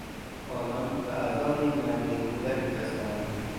آنان به عزای مرگ کودک نشستند.